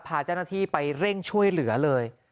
พาเจ้าหน้าที่ไปเร่งช่วยเหลือเลย